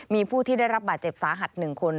มีผู้ที่ได้รับบาดเจ็บสาหัส๑คน